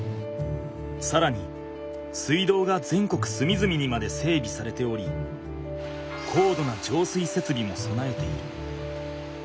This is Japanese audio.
さらに水道が全国すみずみにまで整備されており高度な浄水設備もそなえている。